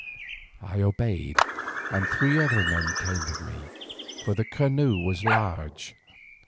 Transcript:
I obeyed, and three other men came with me, for the canoe was large.